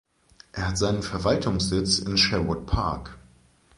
Er hat seinen Verwaltungssitz in Sherwood Park.